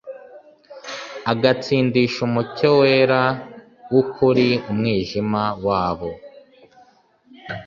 agatsindisha umucyo wera w'ukuri umwijima wabo,